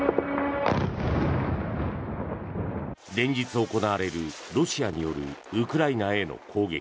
連日行われるロシアによるウクライナへの攻撃。